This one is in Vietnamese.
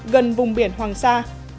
gần vùng biển hoàng sa